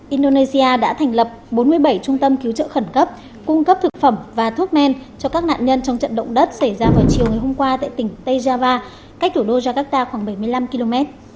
indonesia đã thành lập bốn mươi bảy trung tâm cứu trợ khẩn cấp cung cấp thực phẩm và thuốc men cho các nạn nhân trong trận động đất xảy ra vào chiều ngày hôm qua tại tỉnh tây java cách thủ đô jakarta khoảng bảy mươi năm km